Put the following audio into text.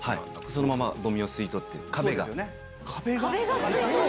そのままごみを吸い取って、壁が？